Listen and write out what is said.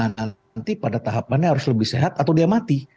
nah nanti pada tahap mana harus lebih sehat atau dia mati